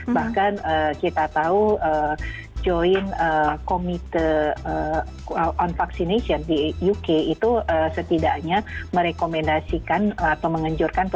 bahkan kita tahu joint comite on vaccination di uk itu setidaknya merekomendasikan atau menganjurkan